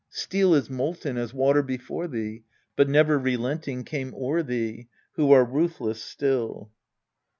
Steel is molten as water before thee, but never relenting came o'er thee, Who are ruthless still.